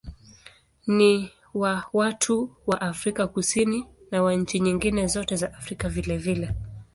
Ni wa watu wa Afrika Kusini na wa nchi nyingine zote za Afrika vilevile.